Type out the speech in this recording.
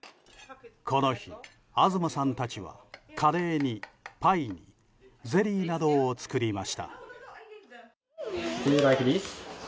この日、東さんたちはカレーにパイにゼリーなどを作りました。